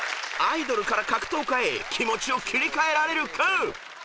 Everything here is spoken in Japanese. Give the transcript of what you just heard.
［アイドルから格闘家へ気持ちを切り替えられるか？］